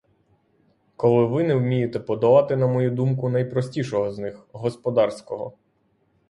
Коли ви не вмієте подолати, на мою думку, найпростішого з них — господарського!